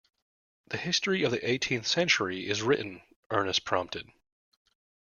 The history of the eighteenth century is written, Ernest prompted.